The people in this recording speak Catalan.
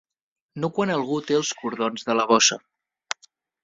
No quan algú té els cordons de la bossa.